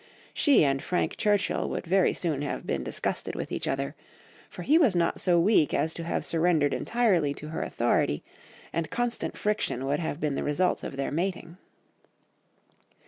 She and Frank Churchill would very soon have been disgusted with each other, for he was not so weak as to have surrendered entirely to her authority, and constant friction would have been the result of their mating.